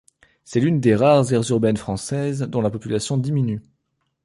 C'est l'une des rares aires urbaines françaises dont la population diminue.